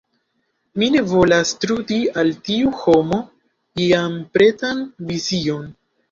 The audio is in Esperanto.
Mi ne volas trudi al tiu homo jam pretan vizion.